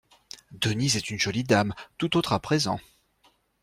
Denise est une jolie dame, tout autre à présent.